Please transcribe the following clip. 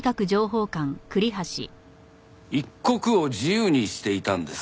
一国を自由にしていたんです。